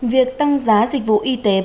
việc tăng giá dịch vụ y tế